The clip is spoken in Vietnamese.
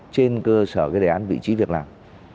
trên cơ sở cái đề án vị trí việc làm